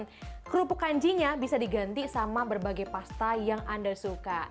dan kerupuk kanjinya bisa diganti sama berbagai pasta yang anda suka